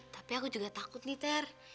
tapi aku juga takut nih ter